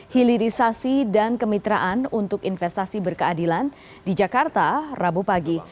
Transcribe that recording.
hilirisasi dan kemitraan untuk investasi berkeadilan di jakarta rabu pagi